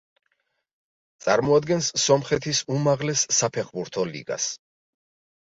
წარმოადგენს სომხეთის უმაღლეს საფეხბურთო ლიგას.